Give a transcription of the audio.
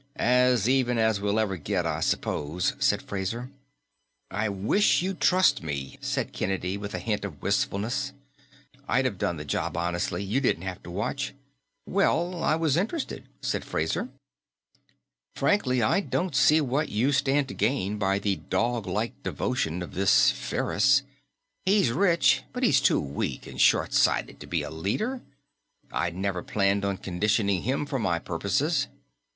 "As even, as we'll ever get, I suppose," said Fraser. "I wish you'd trust me," said Kennedy with a hint of wistfulness. "I'd have done the job honestly; you didn't have to watch." "Well, I was interested," said Fraser. "Frankly, I still don't see what you stand to gain by the doglike devotion of this Ferris. He's rich, but he's too weak and short sighted to be a leader. I'd never planned on conditioning him for my purposes."